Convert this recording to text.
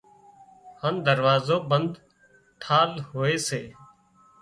هانَ دروازو بند ٿل هوئي سي